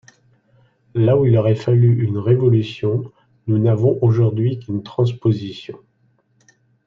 Là où il aurait fallu une révolution nous n’avons aujourd’hui qu’une transposition.